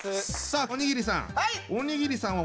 さあおにぎりさん。